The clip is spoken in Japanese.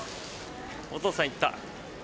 お父さん行った。